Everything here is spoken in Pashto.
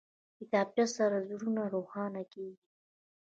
کتابچه سره زړونه روښانه کېږي